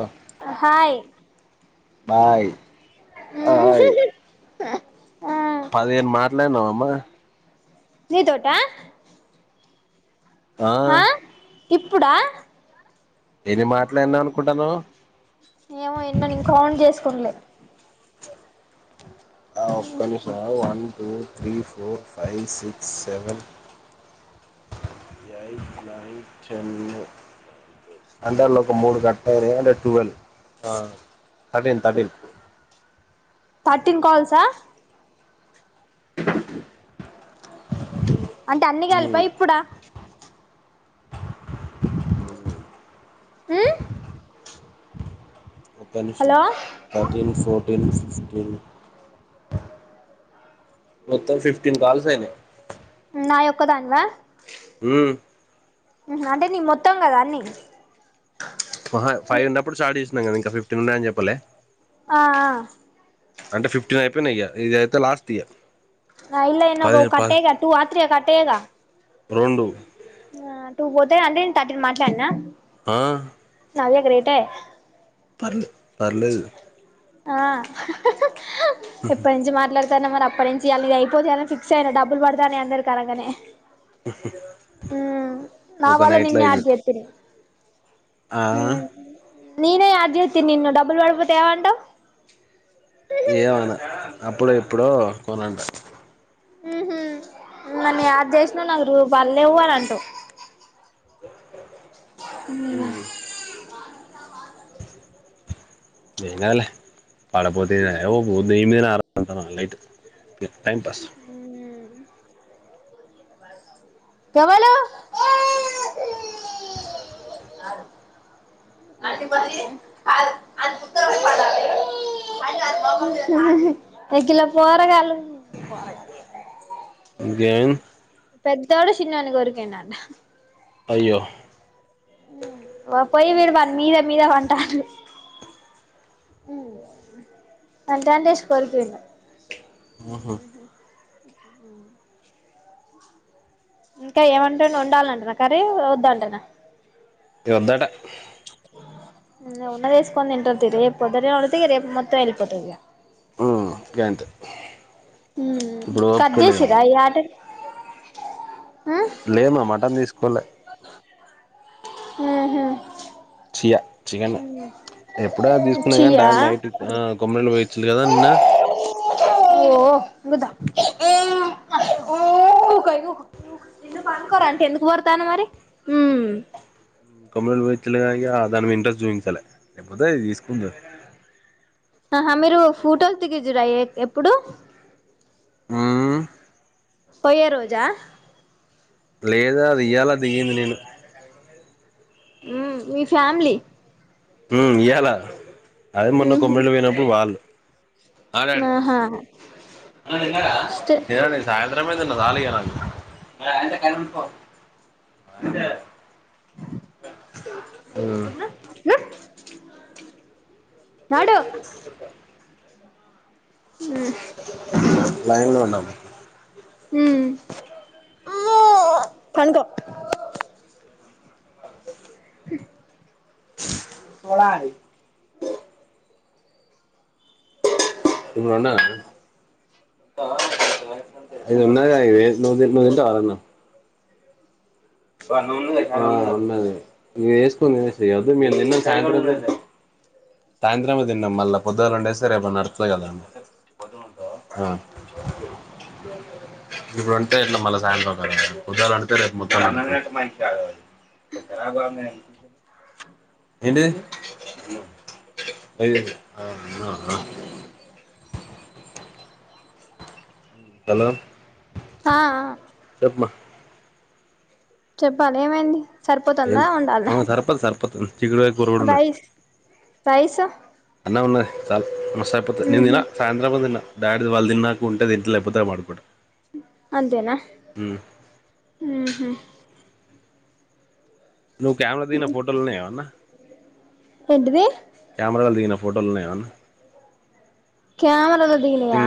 ఆ hi bye hi అ నీ తోటా ఆ ఇప్పుడా ఏమి మాట్లాడినా అనుకుంటానవు చ్ ఆ ఒక్క నిమిషం ఆగు వాన్ని two three four five six seven eight nine ten అందర్లో ఒక మూడు కట్ అంటే టువెల్ థర్టీన్ థర్టీన్ థర్టీన్ కాల్సా అంటే అన్ని కలిపా మ్మ్ ఇప్పుడా ఉమ్ ఒక్క నుషం hello thirteen four fifteen sixteen మొత్తం ఫిఫ్టీన్ కాల్స్ అయినయ్ నా యొక్క దానివా మ్మ్ అంటే నీ మొత్తం గదా అన్నీ మహా ఫైవ్ ఉన్నప్పుడు స్టార్ట్ చేసినం గదా ఇంకా ఫిఫ్టీన్ ఉన్నయ్ అని చెప్పలే ఆ ఆ పినాయ్ గా ఇదైతే లాస్ట్ ఇయ నా ఇళ్ళైనా కట్టే కట్టు అట్ ఇగ కట్టేయగా రెండూ ఆ టూ పోతే అంటే నేను థర్టీన్ మాట్లాడినా ఆ నవ్య గ్రేటే పర్లు పర్లేదు ఆ ఇప్ప నుంచి మాట్లా న్న మరి అప్పటి నుంచి ఇయల అయిపో జేయాల అని ఫిక్స్ అయినా డబ్బులు పడుతన్నాయ్ అందరు క అనగానే నా ఒక వల్ల నైట్ లో నిన్ యాడ్ అయిపోద్ది చెత్తినీ ఆ ఆ నీనే యాడ్ జెత్తి నిన్ను డబ్బుల్ పడుపోతాయ్ అంటావ్ ఏమనా అప్పుడు ఇప్పుడు కొనంట మ్మ్ హ్మ్ నన్ను యాడ్ చేసినా నాకు రూ బళ్లేవు అని అంటావ్ మ్మ్ [inaudible] ఏం కాదులే పడపోతే ఏదైనా ఉబ్ ఉద్ ఏమైనా ఆడ్ అంటనా లైట్ టైం పస్ ఎవలు ఎ కలో పోర గాలు గన్ పెద్దోడ చిన్నోన్ని కోరికిండ్ అంట అయ్యో మ్మ్ పోయి విడుబడి మీద మీద వంటలు మ్మ్ అంటే అంటే ఎషి కొరికిండు మ్మ్ హ్మ్ మ్మ్ ఇంకా ఏమంటే వండాలంటనా కర్రీ వద్దంటనా వద్దట ఉన్నదేస్క నింటర్తతి రేపు పోదరత రేపు మొత్తం వెళ్ల్పోతువగా ఆ గంతే హూ ఇప్పుడు కట్ ఓపిక లేదు చేసిరా మాకు ఈ ఆటని లేదు మటన్ తీసుకోవలే హుహు చియ చికెన్ ఎప్పుడ తీసుకునేది చెయ్యా కానీ నైట్ కొమ్మరిలు పోయిచ్చదు కదా నిన్న ఓయ్ గదా ద [inaudible] పనుకోర అంటే ఎందుకు ఓ రుతనవ్ మరి ఊ కంప్యూటర్ వచ్చలే కాక దాని మీద ఇంట్రెస్ట్ చూపించాలి లేకపోతేది తీసుకుందిను ఆహా మీరు ఫోటోలు దిగుదురా ఎప్పుడు ఆ పోయే రోజా లేదా అది ఇయ్యాలా దిగింది నేను ఉ మీ ఫ్యామిలీ హ ఇయ్యాల అదే మొన్న ఉహు కొమ్మిరిల్లా పోయినప్పుడు వాళ్ళు ఆహా స్టే [unintelligible] [unintelligible] ఉమ్ [inaudible] [inaudible] నడు [inaudible] లైన్ లో ఉన్నాము హుమ్ పనుకో [inaudible] [inaudible] చూడాలి ఇడున్నా ఇది ఉన్నాది గద ఇది ను తింటావా ఆ ఉన్నది వేసుకుని తినేసెయ్యి అదో మేం తిన్నది సాయంత్రమే సాయంత్రమే తిన్నాం మళ్ళా పొద్దుళ్ళ వండేస్తే రేపు నడుతది ఇప్పుడు వండుతే ఎట్ మళ్ళీ సాయంత్రం కదండి పొద్దులు వండితే రేపు మొత్తం [unintelligible] [inaudible] ఏంటిది ఏదీ ఆ ఆ హలో త ఆ ఆ చెప్ప్ మా చెప్పాలి ఏమైంది ఏం సరిపోతుందా ఉండాలన సరిపోతుంది సరిపోతుంది చిక్కుడుకాయ కూర కూడా ఉన్నది రైస్ అన్నం ఉన్నాది చల్ మస్తాయిపోతయి నిను తిన ఉహు సాయంత్రం ము తిన్న డాడీ ది వాళ్ళది తిన్నాక ఉంటాది ఇంట్లో అయిపొతానే వాడుకుంటా అంతేనా ఉహు నువ్వు కెమెరా దిగిన ఫోటోలు ఉన్నాయ ఎవన్నా అన్న ఏంటిది కెమెరాలో దిగిన ఫోటోలో ఉన్నాయా ఏవన్నా క్యామరలొ దిగినవా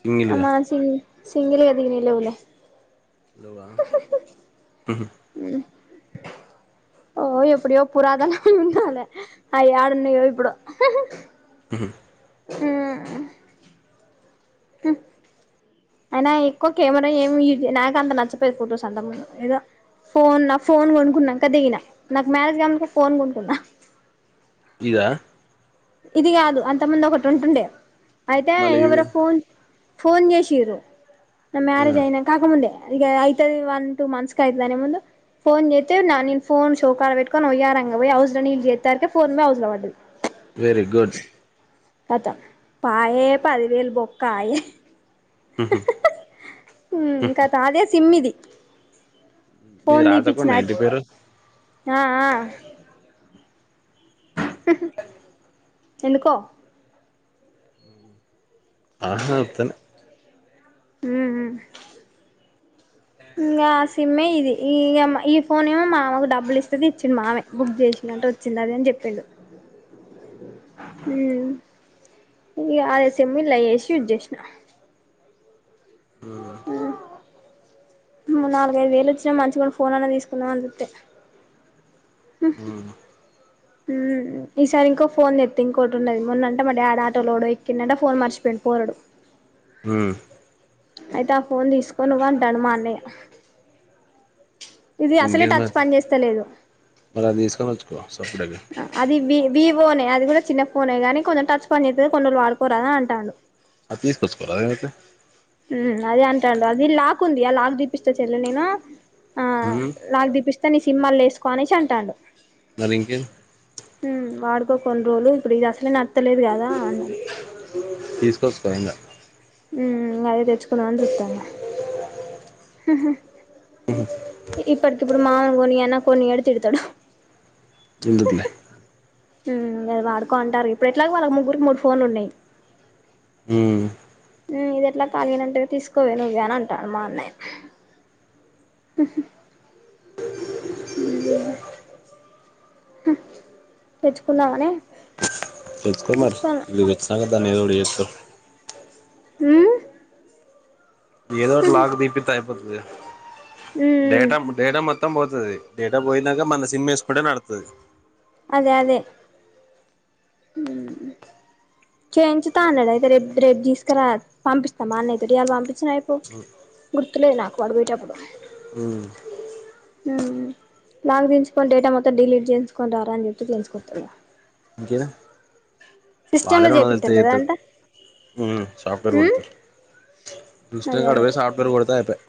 సింగిల్గా అమాన్ సింగ్ సింగిల్ గా దిగినివి లేవులే ఉహు ఓ ఎప్పుడిదొ కూర కు అన్నం తినేలే అయి యాడున్నాయో ఇప్పుడు మ్మ్ మూ [inaudible] హ్మ్ అయినా ఎక్కువ కెమెరా ఏమి యూ నాక అంత నచ్చపోది ఫొటోస్ అంతా ఏదో ఫోన్ నా ఫోన్ కొనుక్కున్నాంకా దిగిన నాకు మ్యారేజ్ కాకముందే ఫోన్ కొనుక్కున్నా ఇదా ఇది కాదు అంత ముందు ఒకటి ఉంటుండే అయితే మళ్ళీ ఇది ఎవరొ ఫోన్ ఫోన్ జేసిర్రు నా మ్యారేజ్ అయిన కాక ముందే ఇగా అయితే వన్ టుూ మంథ్స్ కయితదనే ముందు ఫోన్ జేత్తే నిన్ ఫోన్ చెవ్వుకాడ పెట్కొని వయ్యారాంగ పోయి ఔస్ ల నీళ్లు జేత్తారికే ఫోన్ పోయి ఔస్లో పడ్డది వెరి గుడ్ కతమ్ పయే పదివేలు బొక్కయే ఉమ్ కత అదే సిమ్ ఇది మీది ఫోన్ తీపిచ్చిన రాజకొండ ఇంటి పేరు ఆ ఆ ఎందుకో అహా అతన్ ముమూ ఇంగా ఆ సిమ్మే ఇది ఇగ ఈ ఫోన్ ఏమో మామకు డబ్బులు ఇస్తె దెచ్చిండు మామే బుక్ చేసినంటే వచ్చింది అని చెప్పిండు ము ఇగ అదే సిమ్ ఇల్లాయెసి యూజేసిన ఉ ఆ నాలుగు ఐదు వేలు వచ్చినాయ్ మంచిగా ఫోన్ అన్నా తీసుకుందం అని జూత్తే ఉహు ఈసారి ఇంకో ఫోన్ జెత్త ఇంకోటి ఉన్నది మొన్నంట మా డాడీ ఆటోలో ఎవడో ఎక్కిండంటా ఫోన్ మర్చిపోయిడు పోరడు ఉ అయితే ఆ ఫోన్ తీసుకో నువ్వు అంటాండు మా అన్నయ్య ఇది అసలే ఇంకేంది టచ్ మరి పని చేస్తా లేదు బాస్ అది వి వీమ్ ఫోనే అది కూడా చిన్న ఫోనే గానీ కొంచెం టచ్ పని చేత్తది కొన్ని రోజులు వాడుకోరాదు అని అంటాడు అది తీసుకొచ్చుకోరాదు ఏం అయ్యితాంది అదే అంటాడు అది లాక్ ఉంది ఆ లాక్ తీపిస్తా చెల్లె నేన ఆ మ్మ్ లాక్ తీపిస్తే సిమ్ అల్ల వేసుకొనేసి అంటాడు మరి ఇంకేంది ఉహ్ వాడుకో కొన్నిరోజులు ఇప్పుడు ఇది అసలే నాన్ తెలీదు గదా అన్నా తీసుకొచ్చుకో ఇంగ ఉ అదే తెచ్చుకుందాం అని చూస్తాన్న ఉహ్ ఇప్పటికిప్పుడు మామ కొనియ్ అన్న కొన్నియడు తిడతాడు ఎందుకులే ఉహ్ అవి వాడుకోంటారు ఇప్పుడు ఎట్లాగో వాళ్ళకు ముగ్గురికి మూడు ఫోన్లు ఉన్నాయి ఉ ఉ ఇది ఎట్లా ఖాళీగానే ఉంటది తీసుకోవే నువ్వే అని అంటాడు మా అన్నయ్య ఉహు హూ హు తెచ్చుకుందామని తెచ్చుకోమరి చూస్తానా నేన్ వచ్చినాక దాన్ని ఏదో పొయ్యి ఏస్తాం ఉ ఏదోకటి లాక్ తీపిత్త ఎపు వద్దులే ఉమ్ డేటా మ్ డేటా మొత్ మొత్తం పోతది డేటా పోయినాక మన సిమ్ వేసుకుంటే నడుతాది అదే అదే చేయించుతా అన్నాడు అయితే రేపు రేపు తీసుకురా పంపిస్తా మా అన్నయ్య తోటి ఇయాల పంపించానా అయి కో గూర్ గుర్తులేదు నాకు వాడు పోయేటప్పుడు మ్మ్ ఉ లాక్ తీయించుకొని డేటా మొత్తం డిలీట్ చేయించుకొని రారా అని చెప్తే చెయించుకోత్తడు ఇంకేనా వాళ్లే లో రెండు వందలు ఇతే చేపిత్తరు కదా చేతాడు అంతా ఉ సాఫ్ట్వేర్ ఉమ్ కొడతారు చూశానాక గడువే సాఫ్ట్వేర్ కొడతే అయిపోయి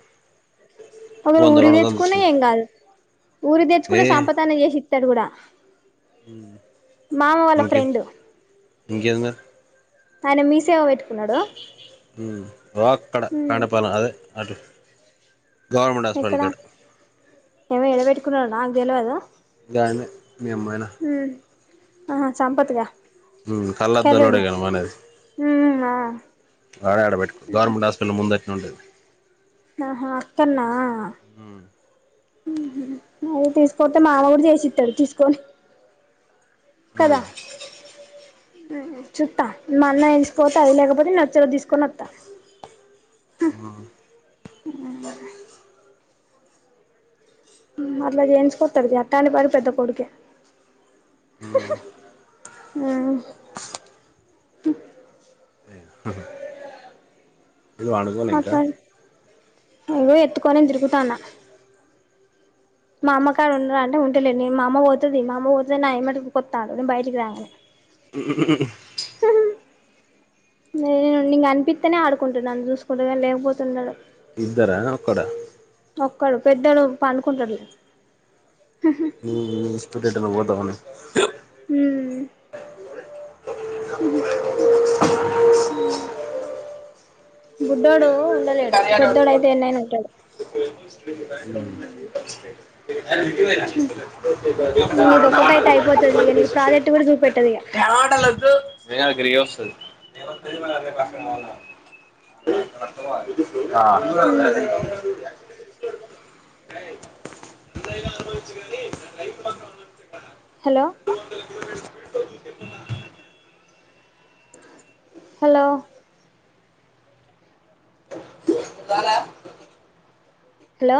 ఒకరు ఊరి తెచ్చుకునే ఏం తీసుకుంటరు కాదు ఊరి తెచ్చుకున్న సంపత్ అన్న చేసి ఇత్తడు కూడా ఉమ్ మామ వాళ్ళ ఓకే ఫ్రెండ్ ఇంకేం మరి అయన మీసేవ పెట్ ఉమ్ రక్కడ కాండ మ్మ్ పాలేం అదే అట్లా గవర్నమెంట్ హాస్పిటల్ ఎక్కడ కడ ఏమో ఎడబెట్టుకున్నాడో నాకు తెలివద గన్మే మెంపోయిన ఆ సంపత్గా ఉమ్ కళ్ళద్దలోడే కర్రుడు గా నువ్ అనేది మ్మ్ ఆ ఆడ ఆడ పెట్టుకో గవర్నమెంట్ హాస్పిటల్ ముందట్నే ఉంటది ఆహా అక్కన్నా ఉమ్ ఆహ్ హు హు మూడు తీసుకతే మావోడు చేసిస్తాడు తీసుకొని కద ఉమ్ ఉమ్ చూస్తా మా అన్నయ్య తీసుకోపోతే అది లేకపోతే నచింది తీసుకొని వస్తా ఉమ్ ఉమ్ ఉమ్ అట్లా చేయించుకోతారు అట్టాని పెద్ద కొడుకె హు ఉమ్ హు ఉమ్ హు ఆ ఇంకా వాడుకోలే ఇంకా అట్లా ఇగో ఎత్తుకోనే తిరుగుతాన్న మా అమ్మ కాడ ఉన్న అంటే ఉంటలేదు నే మా అమ్మ పోతుది మా అమ్మ పోతుంది నా ఏ మట్టు కొత్తాడు నే బయటికి రాను ఉ ఉ ఉ ఉ నే కనిపిత్తనే ఆడుకుంటున్నాను చూసుకుంట లేకపోతే ఉండడు. ఇద్దరా ఓక్కడ ఒక్కడు పెద్దడు పడుకుంటాలే హు స్టుడెంటుగా పోతావానే ఉమ్ హు హు బుడ్డోడు ఉండలేడు కార్యాల పెద్దోడు అయితే ఎన్నైనా ఉంటాడు ఉమ్ ఏ ఇది ఒక్కటైతే అయిపోతదిలే ఇగ నీకు ప్రాజెక్ట్ కూడా చూపెట్టదు ఇగ గమాటలు వద్దు నేహా ఇక్కడికె వస్తది ఆ రే ఎంతయానా అనుభవించు కానీ లైఫ్ మాత్రమ్ అనుభవించుక హలో హలో. ఇవాళ. హలో.